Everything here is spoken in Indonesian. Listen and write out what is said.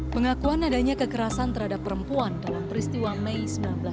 pengakuan adanya kekerasan terhadap perempuan dalam peristiwa mei